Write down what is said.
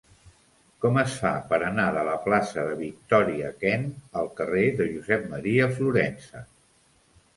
Com es fa per anar de la plaça de Victòria Kent al carrer de Josep M. Florensa?